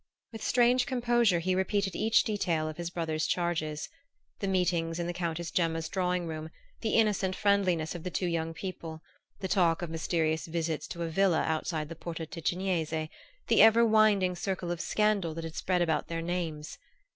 With strange composure he repeated each detail of his brother's charges: the meetings in the Countess Gemma's drawing room, the innocent friendliness of the two young people, the talk of mysterious visits to a villa outside the Porta Ticinese, the ever widening circle of scandal that had spread about their names.